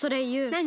なに？